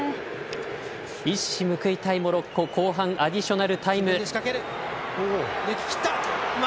一矢報いたいモロッコ後半アディショナルタイム。